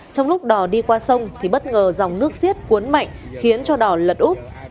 trong lúc đò đi qua sông thì bất ngờ dòng nước xiết cuốn mạnh khiến cho đỏ lật úp